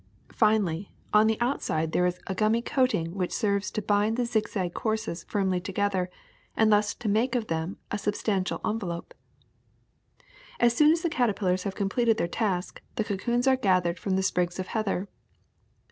Finally, on the outside there is a ^2 THE SECRET OF EVERYDAY THINGS gummy coating which serves to bind the zigzag courses firmly together and thus to make of them a substantial envelop. As soon as the caterpillars have completed their task, the cocoons are gathered from the sprigs of heather.